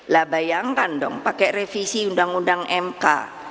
lah bayangkan dong pakai revisi undang undang mk